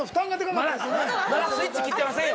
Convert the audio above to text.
まだスイッチ切ってませんよ！